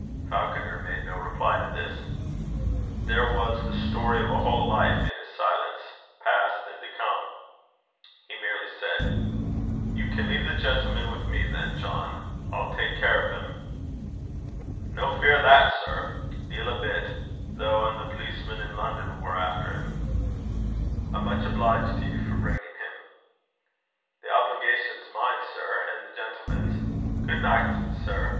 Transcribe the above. Falconer made no reply to this. There was the story of a whole life in his silence past and to come. He merely said: "You can leave the gentleman with me, then, John. I'll take care of him." "No fear o' that, sir. Deil a bit! though a' the policemen i' Lonnon war efter 'im." "I'm much obliged to you for bringing him." "The obligation's mine sir an' the gentleman's. Good nicht, sir.